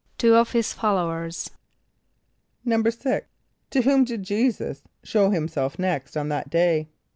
=Two of his followers.= =6.= To whom did J[=e]´[s+]us show himself next on that day?